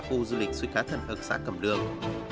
khu du lịch suy khá thân hợp xã cầm đường